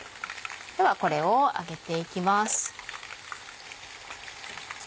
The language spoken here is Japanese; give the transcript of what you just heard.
ではこれを上げていきます。